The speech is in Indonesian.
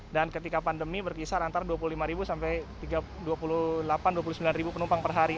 dan ketika pandemi berkisar antara dua puluh lima dua puluh sembilan penumpang per hari